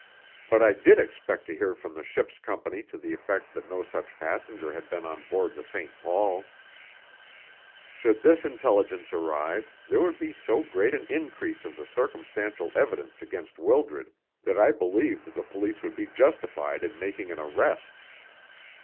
But I did expect to hear from the ship's company to the effect that no such passenger had been on board the St. Paul. Should this intelligence arrive, there would be so great an increase of the circumstantial evidence against Wildred that I believed the police would be justified in making an arrest.